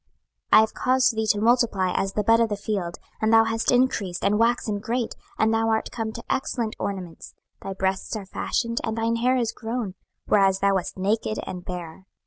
26:016:007 I have caused thee to multiply as the bud of the field, and thou hast increased and waxen great, and thou art come to excellent ornaments: thy breasts are fashioned, and thine hair is grown, whereas thou wast naked and bare.